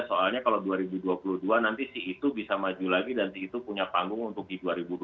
soalnya kalau dua ribu dua puluh dua nanti si itu bisa maju lagi dan si itu punya panggung untuk di dua ribu dua puluh